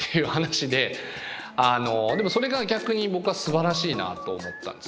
でもそれが逆に僕はすばらしいなと思ったんですよね。